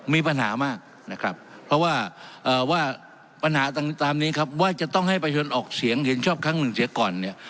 มีปัญหามากนะครับเพราะว่าปัญหาต่างตามนี้ครับว่าจะต้องให้ประชนออกเสียงเห็นชอบครั้งหนึ่งเสียก่อนเนี่ย